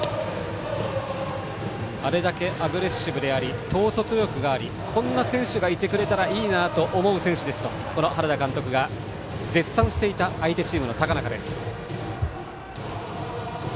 あれだけアグレッシブであり統率力もありこんな選手がいてくれたらいいなと思う選手ですと原田監督が絶賛していた相手チームの高中です。